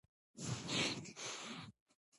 زما په څېر یو ټوپ راواچاوه له پاسه